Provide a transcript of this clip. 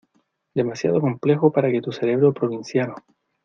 demasiado complejo para que tu cerebro provinciano